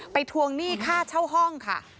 ไปทวงหนี้คาช่วง่องค่ะ